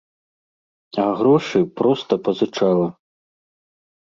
А грошы проста пазычала.